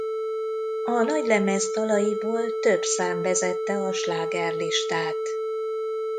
A nagylemez dalaiból több szám vezette a slágerlistát.